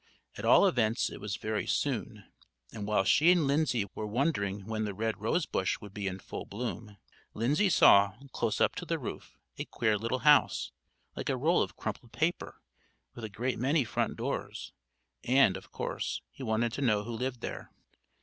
At all events it was very soon; and while she and Lindsay were wondering when the red rose bush would be in full bloom, Lindsay saw, close up to the roof, a queer little house, like a roll of crumpled paper, with a great many front doors; and, of course, he wanted to know who lived there.